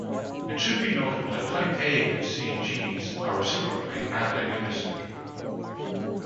It should be noted that type A and C genes are reciprocally antagonistic.